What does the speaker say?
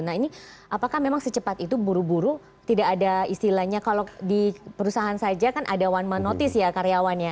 nah ini apakah memang secepat itu buru buru tidak ada istilahnya kalau di perusahaan saja kan ada one man notice ya karyawannya